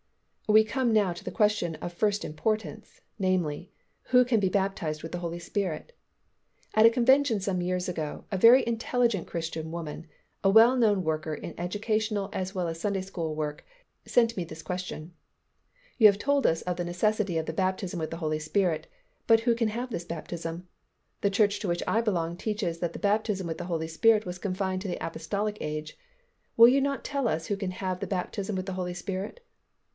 We come now to the question of first importance, namely, Who can be baptized with the Holy Spirit? At a convention some years ago, a very intelligent Christian woman, a well known worker in educational as well as Sunday school work, sent me this question, "You have told us of the necessity of the baptism with the Holy Spirit, but who can have this baptism? The church to which I belong teaches that the baptism with the Holy Spirit was confined to the apostolic age. Will you not tell us who can have the baptism with the Holy Spirit?"